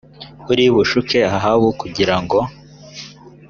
uri bushuke ahabu kugira ngo